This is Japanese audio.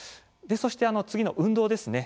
そして次が運動です。